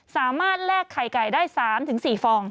สามารถแลกไข่ไก่ได้๓๔ฟอง